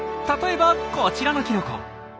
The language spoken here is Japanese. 例えばこちらのきのこ。